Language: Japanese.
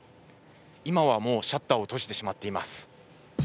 今はもうシャッターを閉じてしまっています。